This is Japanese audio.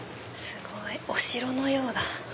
すごい！お城のようだ。